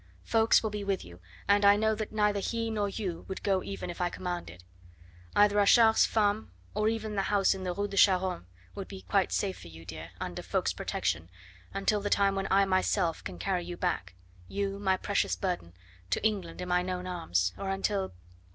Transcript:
Ffoulkes will be with you, and I know that neither he nor you would go even if I commanded. Either Achard's farm, or even the house in the Rue de Charonne, would be quite safe for you, dear, under Ffoulkes's protection, until the time when I myself can carry you back you, my precious burden to England in mine own arms, or until...